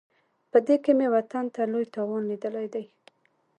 په دې کې مې وطن ته لوی تاوان لیدلی دی.